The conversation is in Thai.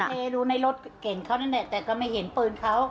เขาไปเทรูในลดกญเขานี่แต่ก็ไม่เห็นปืนเขา